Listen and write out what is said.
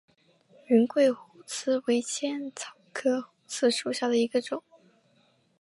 云桂虎刺为茜草科虎刺属下的一个种。